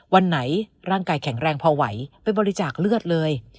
วันไหนร่างกายแข็งแรงพอไหวไปบริจาคเลือดเลย